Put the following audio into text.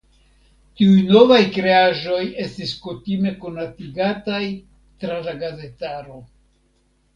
Tiuj novaj kreaĵoj estis kutime konatigataj tra la gazetaro.